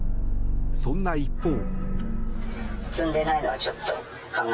そんな一方。